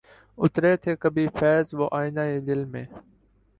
اترے تھے کبھی فیضؔ وہ آئینۂ دل میں